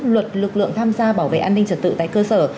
luật lực lượng tham gia bảo vệ an ninh trật tự tại cơ sở